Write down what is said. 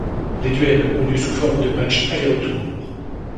Les duels ont lieu sous forme de matchs aller-retour.